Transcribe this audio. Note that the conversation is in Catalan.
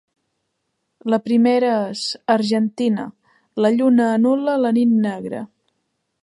La primera és “Argentina, la lluna anul·la la nit negra”.